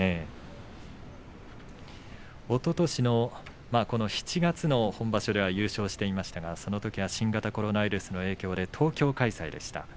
おととしの７月の本場所では優勝しましたがそのときは新型コロナウイルスの影響で東京開催でした。